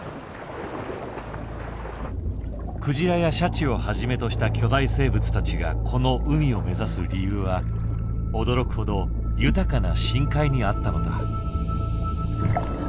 クジラやシャチをはじめとした巨大生物たちがこの海を目指す理由は驚く程豊かな深海にあったのだ。